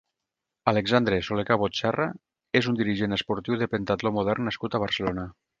Alexandre Soler-Cabot Serra és un dirigent esportiu de pentatló modern nascut a Barcelona.